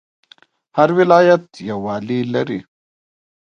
هر ولایت یو والی لري